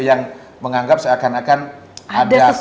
dan sebagainya ini kan persepsi publik saja gitu